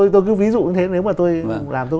tôi cứ ví dụ như thế nếu mà tôi làm tôi